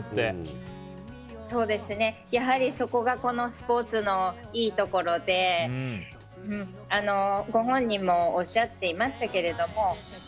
やはり、そこがこのスポーツのいいところで、ご本人もおっしゃっていましたけど。